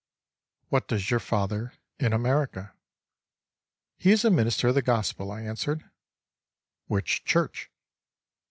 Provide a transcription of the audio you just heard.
"What does your father in America?"—"He is a minister of the gospel," I answered. "Which church?"